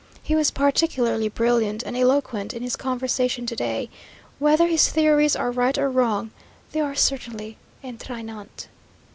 He was particularly brilliant and eloquent in his conversation to day whether his theories are right or wrong, they are certainly entrainant.